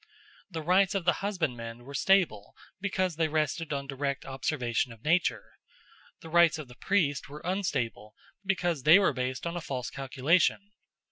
The rites of the husbandman were stable because they rested on direct observation of nature: the rites of the priest were unstable because they were based on a false calculation.